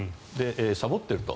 さぼっていると。